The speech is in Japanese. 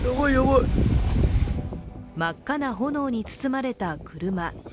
真っ赤な炎に包まれた車。